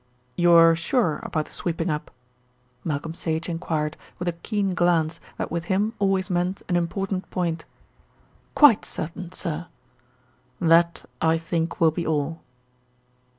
"You're sure about the sweeping up?" Malcolm Sage enquired with a keen glance that with him always meant an important point. "Quite certain, sir." "That, I think, will be all."